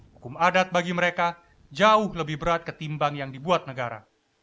hukum adat bagi mereka jauh lebih berat ketimbang yang dibuat negara